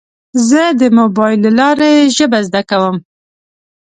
زه د موبایل له لارې ژبه زده کوم.